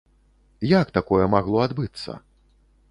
Як такое магло адбыцца?